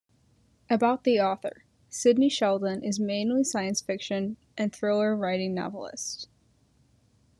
About the Author: Sidney Sheldon is mainly Science-fiction and thriller writing novelist.